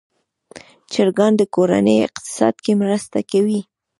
چرګان د کورنۍ اقتصاد کې مرسته کوي.